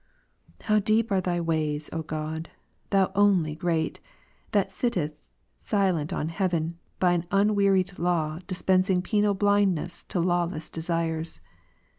How deep are Thy ways, O God, Thou only greoXythat sittest silent on high, Is. 33, 5. and by an unwearied law dispensing penal blindness to law less desires.